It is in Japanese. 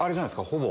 ほぼ。